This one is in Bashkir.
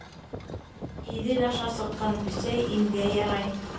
Иҙел аша сыҡҡан бесәй имгә ярай.